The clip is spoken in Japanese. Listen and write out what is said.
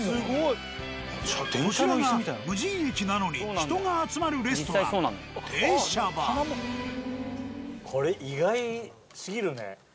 こちらが無人駅なのに人が集まるレストラン意外すぎる。